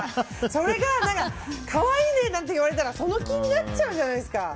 それが、かわいいね！なんて言われたらその気になっちゃうじゃないですか。